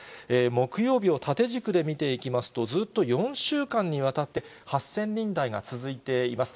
木曜日を縦軸で見ていきますと、ずっと４週間にわたって８０００人台が続いています。